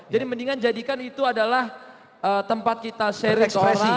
jadi mendingan jadikan itu adalah tempat kita sharing ke orang